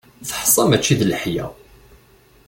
Teḥsa mačči d leḥya.